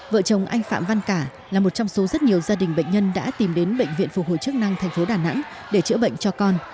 vợ chồng anh phạm văn cả là một trong số rất nhiều gia đình bệnh nhân đã tìm đến bệnh viện phục hồi chức năng thành phố đà nẵng để chữa bệnh cho con